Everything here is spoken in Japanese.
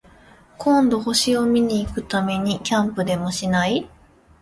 今度、星を見に行くためにキャンプでもしない？